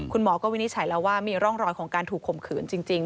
คุณหมอก็วินิจฉัยแล้วว่ามีร่องรอยของการถูกข่มขืนจริง